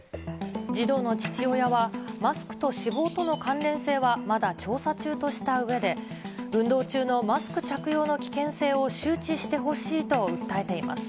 児童の父親は、マスクと死亡との関連性はまだ調査中としたうえで、運動中のマスク着用の危険性を周知してほしいと訴えています。